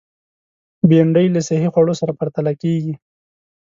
بېنډۍ له صحي خوړو سره پرتله کېږي